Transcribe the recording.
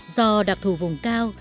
do đặc thù vùng cao